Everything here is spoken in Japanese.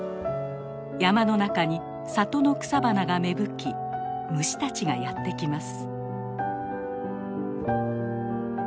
山の中に里の草花が芽吹き虫たちがやってきます。